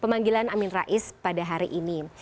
pemanggilan amin rais pada hari ini